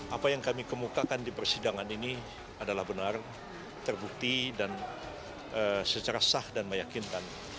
apa yang kami kemukakan di persidangan ini adalah benar terbukti dan secara sah dan meyakinkan